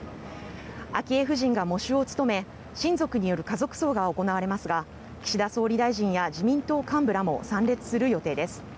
昭恵夫人が喪主を務め親族による家族葬が行われますが岸田総理大臣や自民党幹部らも参列する予定です。